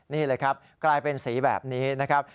นี่เลยครับกลายเป็นสีแบบนี้นะครับ